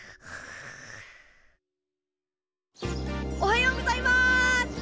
おはようございます！